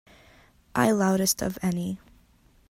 I loudest of any.